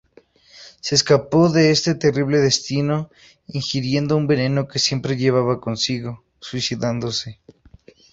Se escapó de ese terrible destino ingiriendo un veneno que siempre llevaba consigo, suicidándose.